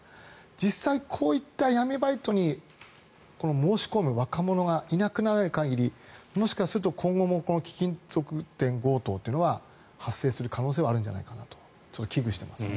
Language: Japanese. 実際、こういった闇バイトに申し込む若者がいなくならない限りもしかすると今後もこの貴金属店強盗というのは発生する可能性はあるんじゃないかと危惧してますね。